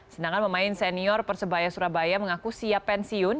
sedangkan pemain senior persebaya surabaya mengaku siap pensiun